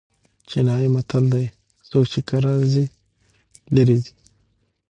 چینايي متل دئ: څوک چي کرار ځي؛ ليري ځي.